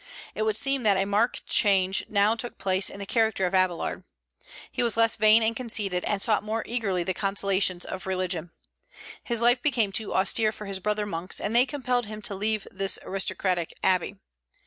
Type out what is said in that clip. It would seem that a marked change now took place in the character of Abélard. He was less vain and conceited, and sought more eagerly the consolations of religion. His life became too austere for his brother monks, and they compelled him to leave this aristocratic abbey.